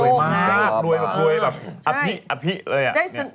โดยมากโดยมากโดยแบบอัพพี่อัพพี่เลยอ่ะ